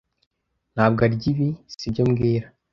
Ntabwo arya ibi, sibyo mbwira